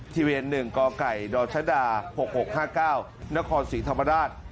ทีเวียน๑กไก่ดอร์ทดา๖๖๕๙นครศรีธรรมดาช